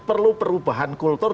perlu perubahan kultur